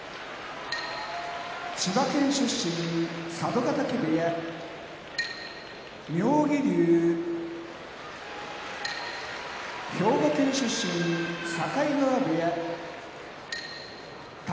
千葉県出身佐渡ヶ嶽部屋妙義龍兵庫県出身境川部屋宝